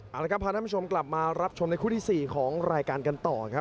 เอาละครับพาท่านผู้ชมกลับมารับชมในคู่ที่๔ของรายการกันต่อครับ